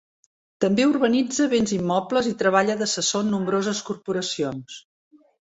També urbanitza bens immobles i treballa d'assessor en nombroses corporacions.